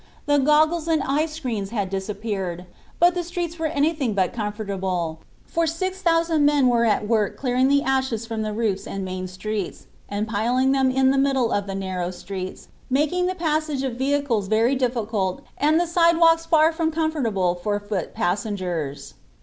The goggles and eye screens had disappeared, but the streets were anything but comfortable, for some six thousand men were at work clearing the ashes from the roofs and main streets and piling them in the middle of the narrow streets, making the passage of vehicles very difficult and the sidewalks far from comfortable for foot passengers.